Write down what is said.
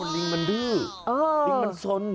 ลิงมันดื้อลิงมันสน